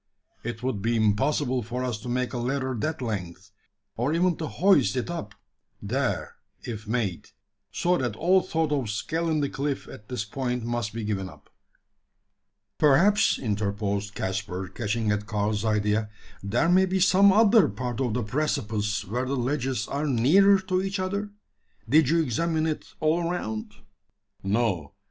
It would be impossible for us to make a ladder that length or even to hoist it up there if made so that all thought of scaling the cliff at this point must be given up." "Perhaps," interposed Caspar, catching at Karl's idea, "there may be some other part of the precipice where the ledges are nearer to each other? Did you examine it all around?" "No.